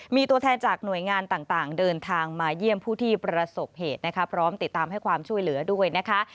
มีตัวแทนจากหน่วยงานต่างเดินทางมาเยี่ยมผู้ที่ประสบเหตุนะคะพร้อมติดตามให้ความช่วยเหลือด้วยนะคะ